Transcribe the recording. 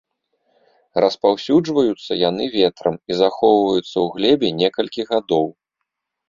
Распаўсюджваюцца яны ветрам і захоўваюцца ў глебе некалькі гадоў.